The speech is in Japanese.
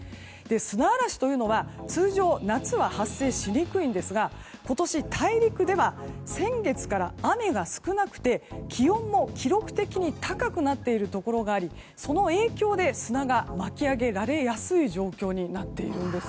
砂嵐というのは通常、夏は発生しにくいんですが今年、大陸では先月から雨が少なくて気温も記録的に高くなっているところがありその影響で、砂が巻き上げられやすい状況になっているんです。